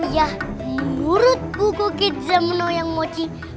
ya menurut buku gizem noyangoji